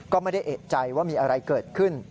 ก็ไม่ได้เอกใจว่ามีอะไรเกิดขึ้น